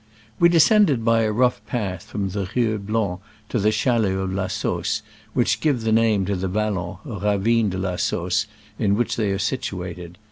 We descended by a rough path from Rieu Blanc to the chalets of La Sausse, which give the name to the Vallon or Ravine de la Sausse in which they are situated.